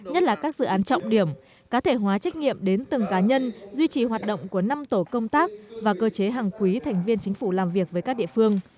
nhất là các dự án trọng điểm cá thể hóa trách nhiệm đến từng cá nhân duy trì hoạt động của năm tổ công tác và cơ chế hàng quý thành viên chính phủ làm việc với các địa phương